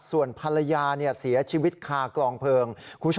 ส่วนภรรยาเสียชีวิตคากลองเพลิง